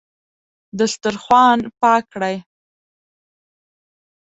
دسترخوان پاک کړئ